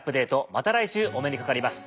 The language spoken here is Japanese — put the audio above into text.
また来週お目にかかります。